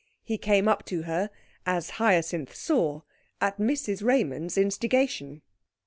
He came up to her, as Hyacinth saw, at Mrs Raymond's instigation.